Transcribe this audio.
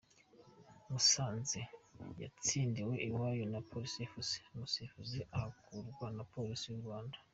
Musanze yatsindiwe iwayo na Police Fc, umusifuzi ahakurwa na Police y’u Rwanda.